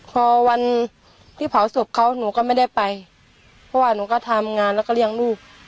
พอวันที่เผาศพเขาหนูก็ไม่ได้ไปเพราะว่าหนูก็ทำงานแล้วก็เลี้ยงลูก